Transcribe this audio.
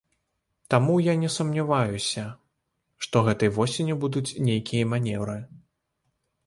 Таму я не сумняваюся, што гэтай восенню будуць нейкія манеўры.